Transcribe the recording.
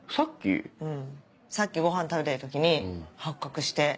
さっきごはん食べてる時に発覚して。